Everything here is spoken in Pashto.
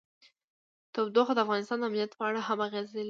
تودوخه د افغانستان د امنیت په اړه هم اغېز لري.